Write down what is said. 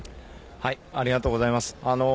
ありがとうございます。